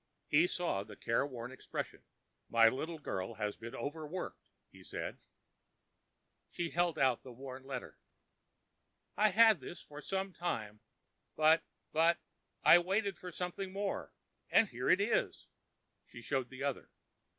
He saw the careworn expression. "My little girl has been overworking," he said. She held out the worn letter. "I've had this for some time—but—but I waited for something more, and here it is." She showed the other.